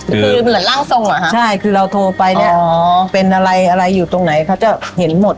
คือเหมือนร่างทรงเหรอคะใช่คือเราโทรไปเนี่ยอ๋อเป็นอะไรอะไรอยู่ตรงไหนเขาจะเห็นหมด